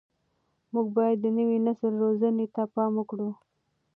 موږ باید د نوي نسل روزنې ته پام وکړو.